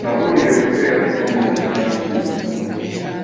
Babuulire kukeera kukommonta mmindi!